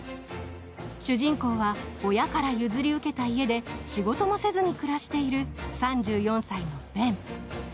主人公は親から譲り受けた家で仕事もせずに暮らしている３４歳のベン。